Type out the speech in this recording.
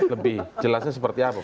lebih jelasnya seperti apa